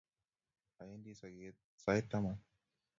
Awendi soget sait taman